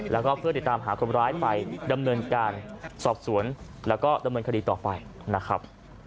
แล้วก็เพื่อติดตามหาคนร้ายไปดำเนินการสอบสวนแล้วก็ดำเนินคดีต่อไปนะครับ